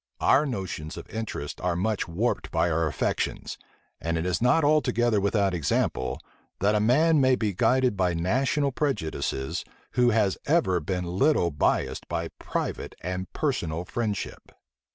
Our notions of interest are much warped by our affections, and it is not altogether without example, that a man may be guided by national prejudices, who has ever been little biased by private and personal friendship.